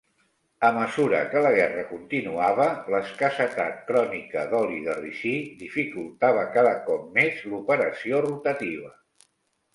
A mesura que la guerra continuava, l'escassetat crònica d'oli de ricí dificultava cada cop més l'operació rotativa.